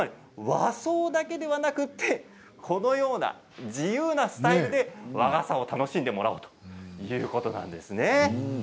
和装だけではなくってこのような自由なスタイルで和傘を楽しんでもらおうということなんですね。